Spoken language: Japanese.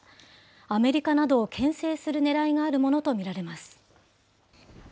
アメリカなどをけん制するねらいがあるものと見られます。